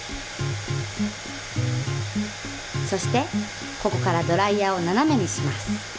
そしてここからドライヤーをななめにします。